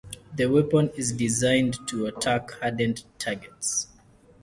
The weapon is designed to attack hardened targets.